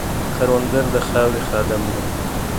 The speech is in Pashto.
کروندګر د خاورې خادم دی